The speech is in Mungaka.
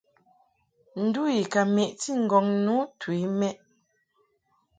Ndu I ka meʼti ŋgɔŋ nu tu i mɛʼ.